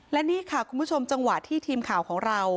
และนี่ค่ะคุณผู้ชมจังหวะที่ทีมข่าวของเรา